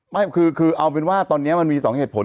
ไม่คือเอาเป็นว่าตอนนี้มันมี๒เหตุผล